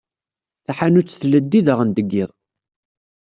Taḥanut tleddi daɣen deg yiḍ.